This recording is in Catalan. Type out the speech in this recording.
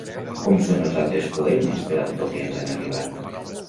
Com són els altres poemes de l'autor que ens han arribat?